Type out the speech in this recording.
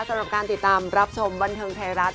สำหรับการติดตามรับชมบันเทิงไทยรัฐ